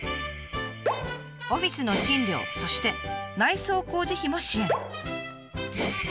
オフィスの賃料そして内装工事費も支援。